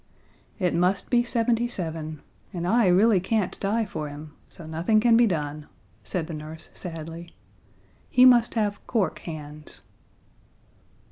"It must be seventy seven and I really can't die for him, so nothing can be done," said the nurse, sadly. "He must have cork hands."